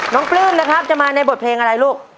ปลื้มนะครับจะมาในบทเพลงอะไรลูก